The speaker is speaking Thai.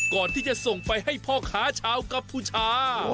ก่อนที่จะส่งไปให้พ่อค้าชาวกัมพูชา